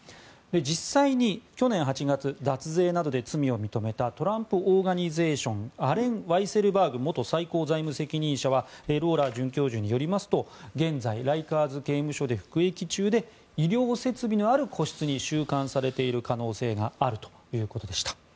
実際に去年８月脱税などで罪を認めたトランプ・オーガニゼーションアレン・ワイセルバーグ元最高財務責任者はローラー准教授によりますと現在、ライカーズ刑務所で服役中で医療設備のある個室に収監されている可能性があるということでした。